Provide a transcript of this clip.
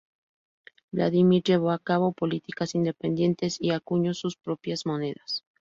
Vladímir llevó a cabo políticas independientes y acuñó sus propias monedas.